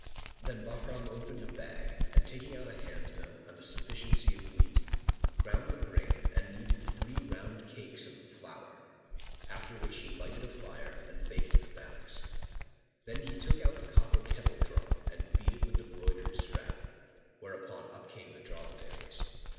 Then Bahram opened a bag and taking out a handmill and a sufficiency of wheat, ground the grain and kneaded three round cakes of the flour; after which he lighted a fire and baked the bannocks. Then he took out the copper kettle drum and beat it with the broidered strap, whereupon up came the dromedaries.